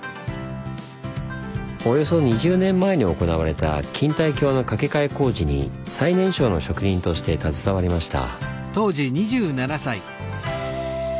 およそ２０年前に行われた錦帯橋の架け替え工事に最年少の職人として携わりました。